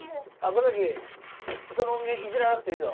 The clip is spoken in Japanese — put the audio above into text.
箱坂その音源いじらなくていいぞ。